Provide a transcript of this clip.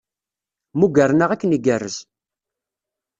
Mmugren-aneɣ akken igerrez.